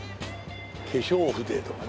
「化粧筆」とかね。